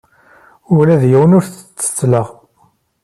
Ula d yiwen ur t-ttettleɣ.